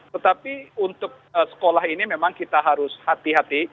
tetapi untuk sekolah ini memang kita harus hati hati